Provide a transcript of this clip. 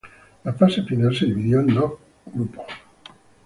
La fase final se dividió en dos grupos.